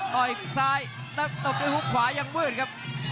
ต่อยซ้ายแล้วตบด้วยฮุกขวายังมืดครับ